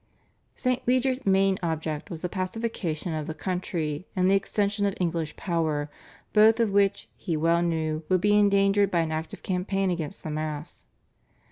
" St. Leger's main object was the pacification of the country and the extension of English power, both of which, he well knew, would be endangered by any active campaign against the Mass.